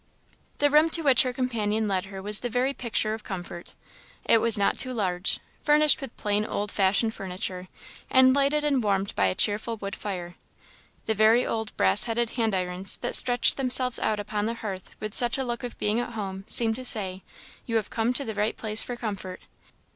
The room to which her companion led her was the very picture of comfort. It was not too large, furnished with plain, old fashioned furniture, and lighted and warmed by a cheerful wood fire. The very old brass headed hand irons that stretched themselves out upon the hearth with such a look of being at home, seemed to say, "You have come to the right place for comfort."